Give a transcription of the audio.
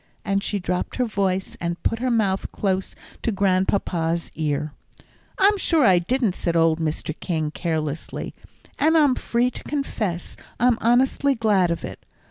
and she dropped her voice, and put her mouth close to Grandpapa's ear. "I'm sure I didn't," said old Mr. King, carelessly, "and I'm free to confess I'm honestly glad of it.